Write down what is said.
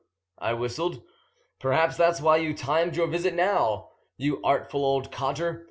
I whistled; "perhaps that's why you timed your visit now, you artful old codger.